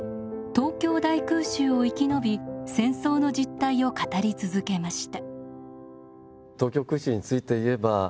東京大空襲を生き延び戦争の実態を語り続けました。